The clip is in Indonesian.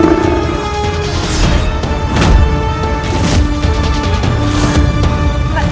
ojojojo anaknya juragan berat